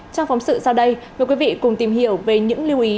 trong phóng sự sau đây mời quý vị cùng tìm hiểu về những lưu ý